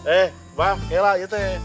eh bang ya lah itu teh